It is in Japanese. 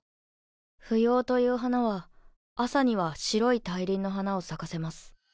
芙蓉という花は朝には白い大輪の花を咲かせます。